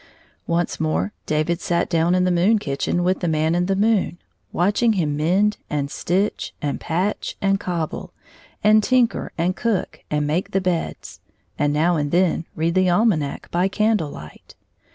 Once more David sat down in the moon kitchen with the Man in the moon, watching him mend and stitch, and patch and cobble, and tinker and cook and make the beds, and now and then read the ahnanac by candle light.